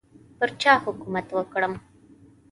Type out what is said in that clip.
پر چا حکومت وکړم.